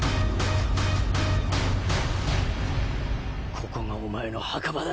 ここがお前の墓場だ！